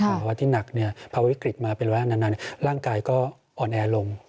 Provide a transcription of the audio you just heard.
ภาวะที่หนักภาวะวิกฤตมาเป็นระบบนานร่างกายก็อ่อนแอร์ลง